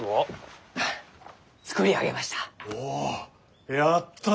おやったな！